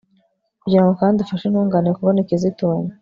kugira ngo kandi ufashe intungane kubona ikizitunga